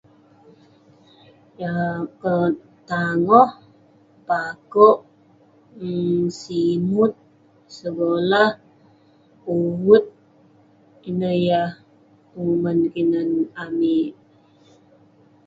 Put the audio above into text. [unintelligible] tangoh, pakouk, um simut, segolah, uvut. Ineh yah penguman kinan amik.